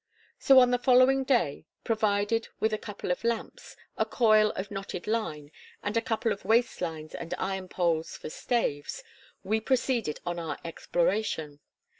"So, on the following day, provided with a couple of lamps, a coil of knotted line, and a couple of waist lines and iron poles for staves, we proceeded on our exploration.